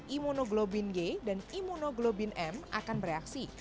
imunoglobin g dan imunoglobin m akan bereaksi